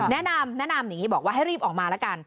แนะนำแนะนำอย่างนี้บอกว่าให้รีบออกมาแล้วกัน